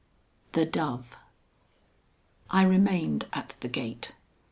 XXXV THE DOVE I remained at the gate.